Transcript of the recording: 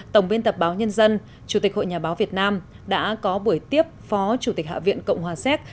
tổng biên tập báo nhân dân chủ tịch hội nhà báo việt nam đã có buổi tiếp phó chủ tịch hạ viện cộng hòa séc